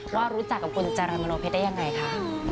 ว่ารู้จักกับคุณจรรย์มโนเพชรได้ยังไงคะ